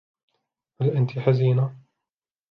هل أنتِ حزينة ؟